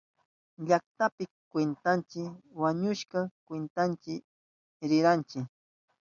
Llaktanpi paktashpayni wawkiynita kwintachik rishkani.